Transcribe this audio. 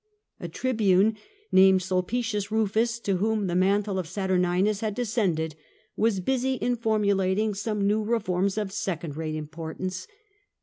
A tribune named Sulpicius Rufus, to whom the mantle of Satuminus had descended, was busy in formulating some new reforms of second rate importance.